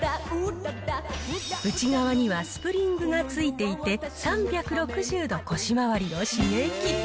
内側にはスプリングがついていて、３６０度、腰回りを刺激。